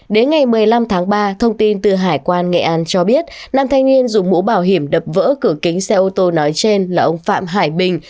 đến ngày một mươi năm tháng ba thông tin từ hải quan nghệ an cho biết nam thanh niên dùng mũ bảo hiểm đập vỡ cửa kính xe ô tô nói trên là ông phạm hải bình